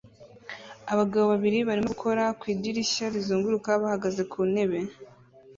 Abagabo babiri barimo gukora ku idirishya rizunguruka bahagaze ku ntebe